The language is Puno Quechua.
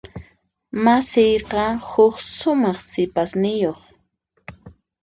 Masiyqa huk sumaq sipasniyuq.